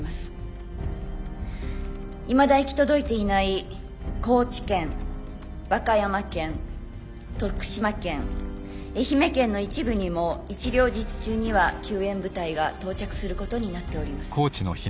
いまだ行き届いていない高知県和歌山県徳島県愛媛県の一部にも一両日中には救援部隊が到着することになっております。